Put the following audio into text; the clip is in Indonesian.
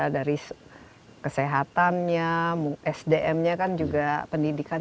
dari kesehatannya sdm nya kan juga pendidikan